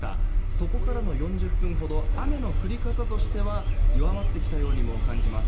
そこからの４０分ほど雨の降り方としては弱まってきたように感じます。